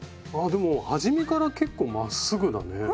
あでも初めから結構まっすぐだね。